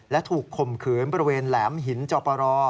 และถูกข่มขืนบริเวณแหลมหินจอปร